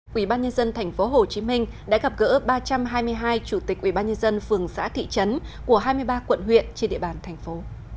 quỹ ban nhân dân tp hcm đã gặp gỡ ba trăm hai mươi hai chủ tịch quỹ ban nhân dân phường xã thị trấn của hai mươi ba quận huyện trên địa bàn thành phố